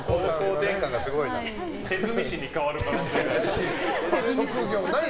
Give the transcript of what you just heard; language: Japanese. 手積み師に変わるかもしれない。